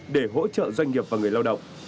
để hỗ trợ doanh nghiệp và người lao động